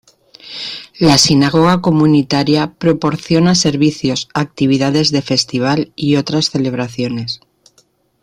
La sinagoga comunitaria proporciona servicios, actividades de festival y otras celebraciones.